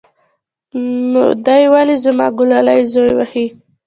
نو دى ولې زما گلالى زوى وهي.